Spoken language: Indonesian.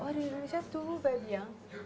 oh di indonesia tuh bagian